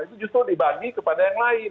itu justru dibagi kepada yang lain